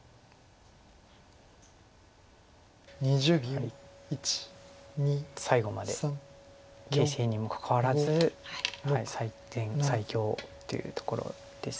やはり最後まで形勢にもかかわらず最強というところです。